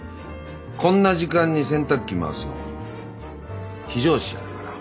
こんな時間に洗濯機回すの非常識じゃないかな？